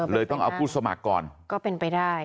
ต้องเอาผู้สมัครก่อนก็เป็นไปได้